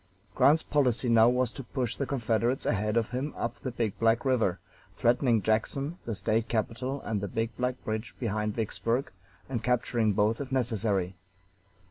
Grant's policy now was to push the Confederates ahead of him up the Big Black River, threatening Jackson, the State capital, and the Big Black bridge behind Vicksburg, and capturing both if necessary.